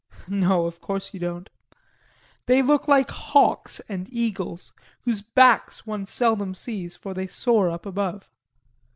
No, of course you don't. They look like hawks and eagles whose backs one seldom sees, for they soar up above.